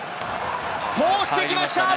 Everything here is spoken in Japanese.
通してきました！